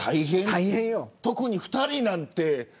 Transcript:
特に２人なんて。